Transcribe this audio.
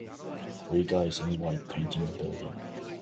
Three guys in white painting a building.